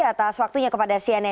atas waktunya kepada siapapun